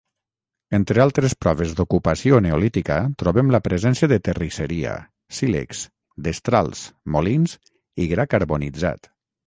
Entre altres proves d'ocupació neolítica trobem la presència de terrisseria, sílex, destrals, molins i gra carbonitzat.